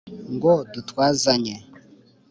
Ngo dutwazanye